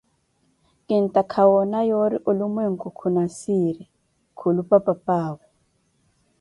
Kintakha woona yoori olumweeku khuna siiri, khulupa papawe!